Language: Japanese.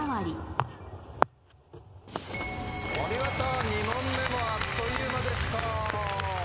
お見事２問目もあっという間でした。